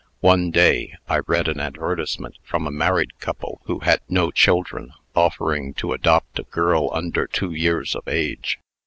One day, I read an advertisement from a married couple who had no children, offering to adopt a girl under two years of age.